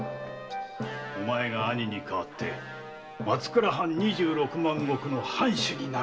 お前が兄に代わって松倉藩二十六万石の藩主になるのだ。